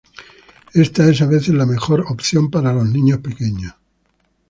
Esta es a veces la mejor opción para los niños pequeños.